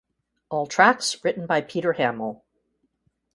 All tracks written by Peter Hammill.